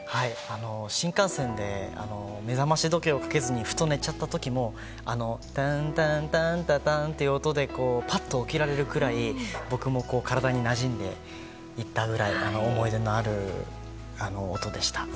新幹線で目覚まし時計をかけずにふと寝ちゃった時もたんたん、たんたたんという曲がかかるとパッと起きられるくらい僕も、体になじんでいったぐらい思い出のある音でした。